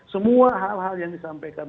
semua hal hal yang disampaikan